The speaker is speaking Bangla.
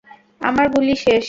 আমার গুলি শেষ।